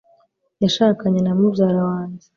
yashakanye na mubyara wanjye